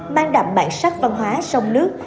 mang đậm bản sắc văn hóa sông nước